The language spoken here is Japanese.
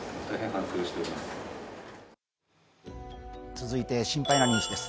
続いて心配なニュースです。